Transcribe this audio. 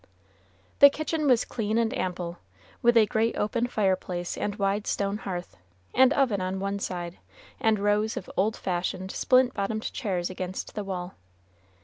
The kitchen was clean and ample, with a great open fireplace and wide stone hearth, and oven on one side, and rows of old fashioned splint bottomed chairs against the wall.